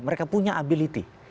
mereka punya ability